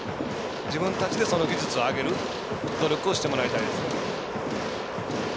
その技術を上げる努力をしてもらいたいですね。